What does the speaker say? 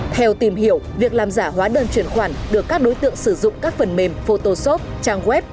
theo tìm hiểu việc làm giả hóa đơn chuyển khoản được các đối tượng sử dụng các phần mềm photoshop